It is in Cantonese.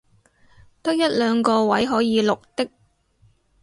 得一兩個位可以綠的